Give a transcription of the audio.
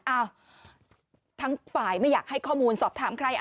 อ้าวทั้งฝ่ายไม่อยากให้ข้อมูลสอบถามใคร